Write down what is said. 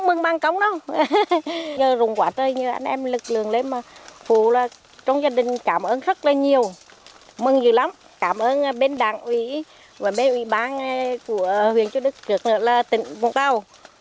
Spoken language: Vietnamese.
mừng nhiều lắm cảm ơn bên đảng quỹ và bên ủy ban của huyện châu đức trước nữa là tỉnh vũng tàu